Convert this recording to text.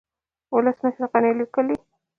ولسمشر غني ليکلي